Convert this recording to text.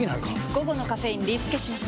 午後のカフェインリスケします！